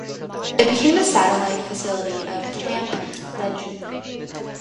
It became a satellite facility of Camp Lejeune.